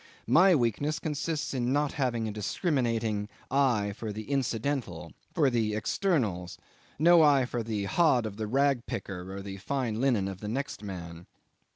My weakness consists in not having a discriminating eye for the incidental for the externals no eye for the hod of the rag picker or the fine linen of the next man.